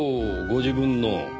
ご自分の？